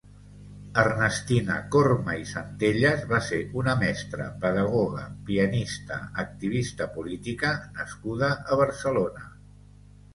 Ernestina Corma i Centellas va ser una mestra, pedagoga, pianista, activista política nascuda a Barcelona.